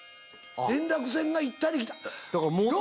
連絡船が行ったりあっ！